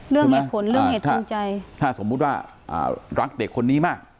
เหตุผลเรื่องเหตุจูงใจถ้าสมมุติว่าอ่ารักเด็กคนนี้มาก